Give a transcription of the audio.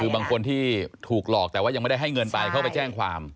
คือบางคนที่ถูกหลอกแต่ว่ายังไม่ได้ให้เงินไปเขาไปแจ้งความ